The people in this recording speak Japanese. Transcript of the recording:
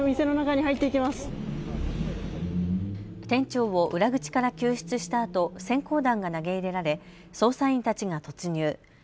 店長を裏口から救出したあとせん光弾が投げ入れられ捜査員たちが突入。